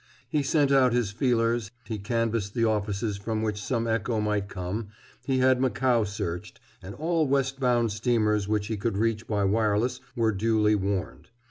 He sent out his feelers, he canvassed the offices from which some echo might come, he had Macao searched, and all westbound steamers which he could reach by wireless were duly warned.